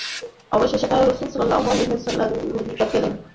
অবশেষে তারা রাসূল সাল্লাল্লাহু আলাইহি ওয়াসাল্লামের নিকট গেলেন।